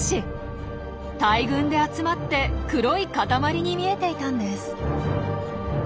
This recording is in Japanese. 大群で集まって黒い塊に見えていたんです。